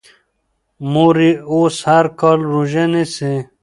مور یې اوس هر کال روژه نیسي.